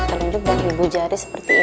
terlindung dari ibu jari seperti ini